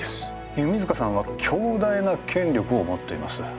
弓塚さんは強大な権力を持っています